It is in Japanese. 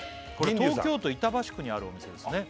東京都板橋区にあるお店ですね